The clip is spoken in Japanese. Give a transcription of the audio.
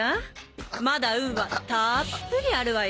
まだ運はたっぷりあるわよ。